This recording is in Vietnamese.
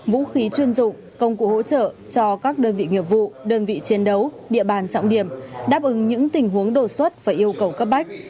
vũ khí chuyên dụng công cụ hỗ trợ cho các đơn vị nghiệp vụ đơn vị chiến đấu địa bàn trọng điểm đáp ứng những tình huống đột xuất và yêu cầu cấp bách